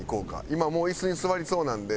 今もう椅子に座りそうなんで。